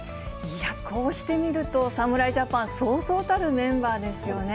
こうして見ると、侍ジャパン、そうそうたるメンバーですよね。